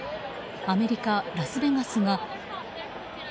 アメリカ・ラスベガスが。